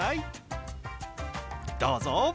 どうぞ！